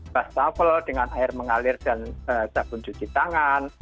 bas travel dengan air mengalir dan sabun cuci tangan